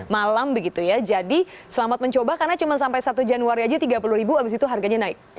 malam begitu ya jadi selamat mencoba karena cuma sampai satu januari aja rp tiga puluh ribu abis itu harganya naik